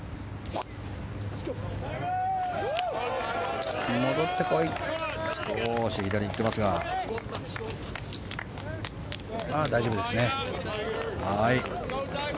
ああ、大丈夫ですね。